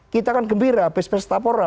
kita kan gembira pes pes tapora